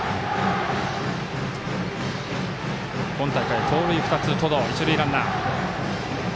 今大会、盗塁２つ、登藤一塁ランナー。